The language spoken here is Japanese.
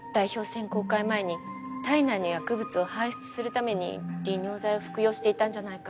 選考会前に体内の薬物を排出するために利尿剤を服用していたんじゃないかって。